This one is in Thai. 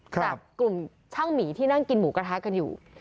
กลุ่มช่างหมีที่นั่งกินหมูกระทะกันอยู่